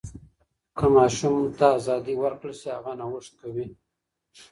که ماشوم ته ازادي ورکړل شي، هغه نوښت کوي.